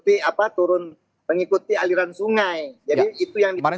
itu mengikuti aliran sungai